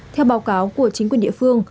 theo báo cáo của chính quyền địa phương